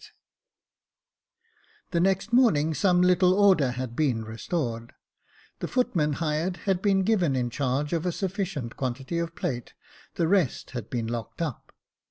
Jacob Faithful 281 The next morning some little order had been restored ; the footman hired had been given in charge of a sufficient quantity of plate, the rest had been locked up.